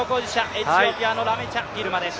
エチオピアのラメチャ・ギルマです。